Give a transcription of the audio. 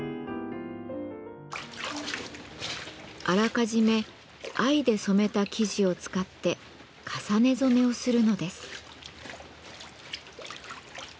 あらかじめ藍で染めた生地を使って重ね染めをするのです。